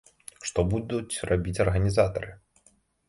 Што будуць рабіць арганізатары?